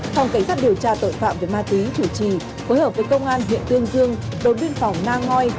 hòng kể sát điều tra tội phạm về ma túy thủy trì phối hợp với công an huyện tương dương đội biên phòng na ngoi